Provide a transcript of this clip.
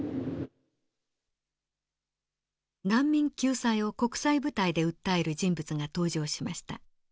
難民救済を国際舞台で訴える人物が登場しました。